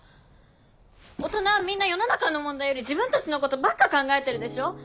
大人はみんな世の中の問題より自分たちのことばっか考えてるでしょ！